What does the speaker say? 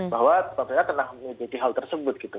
bahwa tentu saja tentang hal tersebut gitu